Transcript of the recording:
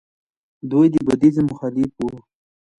دوی د بودیزم مخالف وو